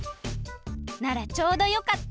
ならちょうどよかった！